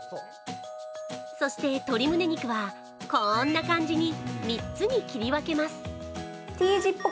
そして、鶏むね肉はこんな感じに３つに切り分けます。